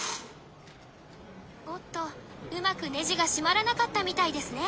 おっと、うまくねじが締まらなかったみたいですね。